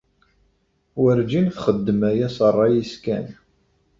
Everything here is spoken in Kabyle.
Werǧin txeddem aya s ṛṛay-is kan.